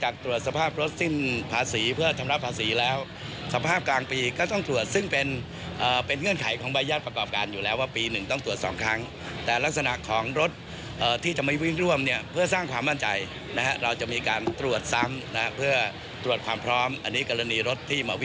ได้เอ่อคุยกันทั้งบสแล้วก็สมาคมหบกรรมการแล้ว